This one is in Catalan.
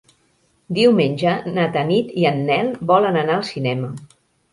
Diumenge na Tanit i en Nel volen anar al cinema.